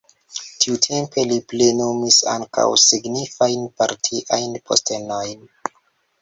Tiutempe li plenumis ankaŭ signifajn partiajn postenojn.